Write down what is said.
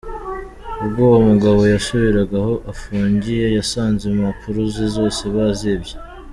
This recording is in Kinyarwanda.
Ubwo uwo mugabo yasubiraga aho afungiye, yasanze impapuro ze zose bazibye.